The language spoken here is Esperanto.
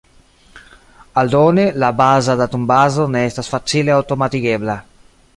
Aldone, la baza datumbazo ne estas facile aŭtomatigebla.